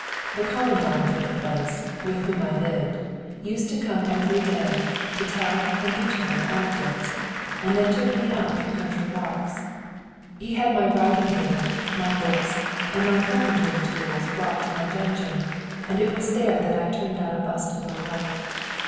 The Commandant of the place, with whom I lived, used to come every day to tell and be told anecdotes, and then took me out for country walks. He had my writing table, my books, and my carpentering tools brought into my dungeon, and it was there that I turned out a bust of my wife.